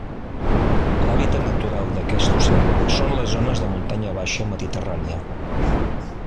L'hàbitat natural d'aquest ocell són les zones de muntanya baixa mediterrània.